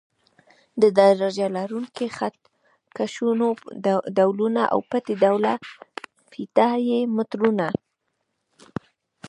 د درجه لرونکو خط کشونو ډولونه او پټۍ ډوله فیته یي مترونه.